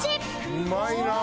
うまいなあ。